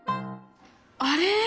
あれ？